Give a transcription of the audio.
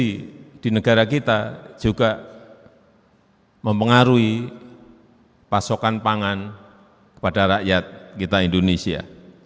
dan juga agensi di negara kita juga mempengaruhi pasokan pangan kepada rakyat kita indonesia